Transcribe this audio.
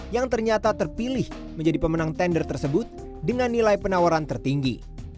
yang ternyata terpilih menjadi pemenang tender tersebut dengan nilai penawaran tertinggi